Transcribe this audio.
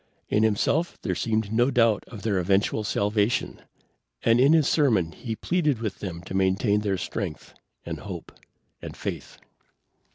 In himself there seemed no doubt of their eventual salvation, and in his sermon he pleaded with them to maintain their strength and hope and faith.